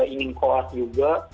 ingin koas juga